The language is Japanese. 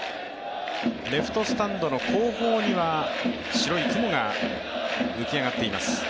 レフトスタンドの後方には白い雲が浮き上がっています。